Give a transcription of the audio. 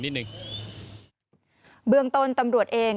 อย่างนิดนึงเบื้องตนตำรวจเอง